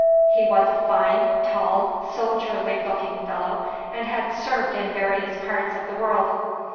He was a fine, tall, soldierly looking fellow, and had served in various parts of the world.